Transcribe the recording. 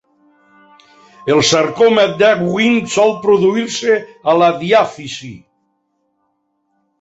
El sarcoma d'Ewing sol produir-se a la diàfisi.